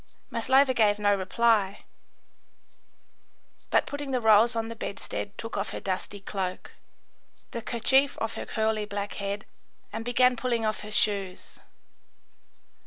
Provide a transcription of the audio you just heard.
Maslova gave no reply, but putting the rolls on the bedstead, took off her dusty cloak, the kerchief off her curly black head, and began pulling off her shoes.